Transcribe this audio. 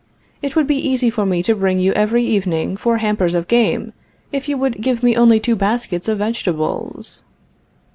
It would be easy for me to bring you every evening four hampers of game if you would give me only two baskets of vegetables."